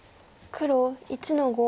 黒１の五。